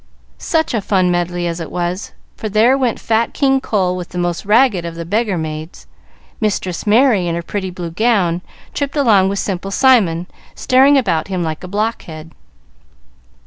Such a funny medley as it was, for there went fat "King Cole" with the most ragged of the beggar maids. "Mistress Mary," in her pretty blue dress, tripped along with "Simple Simon" staring about him like a blockhead.